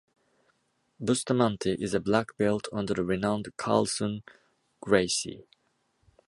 Bustamante is a black belt under the renowned Carlson Gracie.